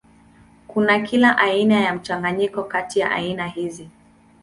Kuna kila aina ya mchanganyiko kati ya aina hizi.